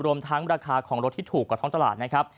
รวมทั้งราคาของรถที่ถูกกว่าท้องตลาดนะครับ